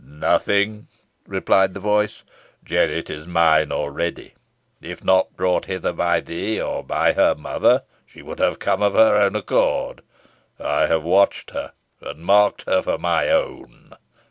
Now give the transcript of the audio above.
"Nothing," replied the voice. "Jennet is mine already. If not brought hither by thee, or by her mother, she would have come of her own accord. I have watched her, and marked her for my own.